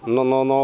nó nó nó